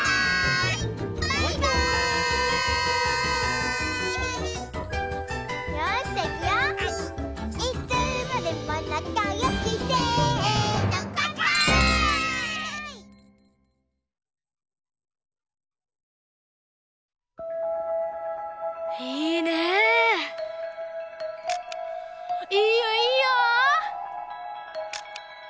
いいよいいよ！